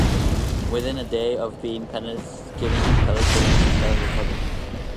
Within a day of being given penicillin, he started recovering.